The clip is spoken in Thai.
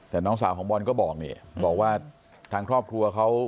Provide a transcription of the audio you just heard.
แต่น้องสาวของบอลก็บอกนี่บอกว่าทางครอบครัวเขา